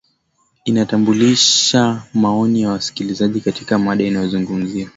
inatambulisha maoni ya wasikilizaji katika mada inayozungumzwa